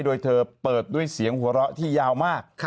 โดยเธอเปิดด้วยเสียงหัวเราะที่ยาวมาก